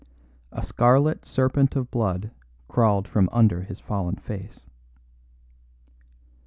A scarlet serpent of blood crawled from under his fallen face.